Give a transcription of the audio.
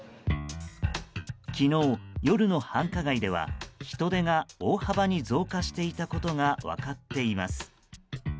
昨日、夜の繁華街では人出が大幅に増加していたことが分かっています。